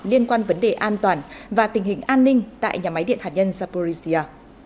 liên quan vấn đề an toàn và tình hình an ninh tại nhà máy điện hạt nhân zaporisia